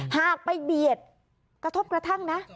หากไปเบียดกระทบกระทั่งนะ